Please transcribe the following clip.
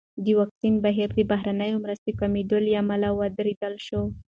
د واکسین بهیر د بهرنیو مرستو کمېدو له امله ودرول شو.